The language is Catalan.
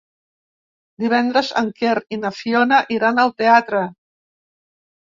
Divendres en Quer i na Fiona iran al teatre.